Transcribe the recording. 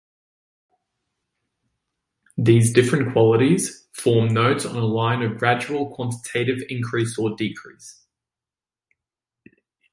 These different Qualities form "Nodes" on a line of gradual Quantitative increase or decrease.